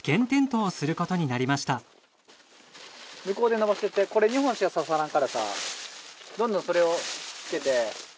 向こうで延ばしていってこれ２本しかささらんからさどんどんそれをつけて。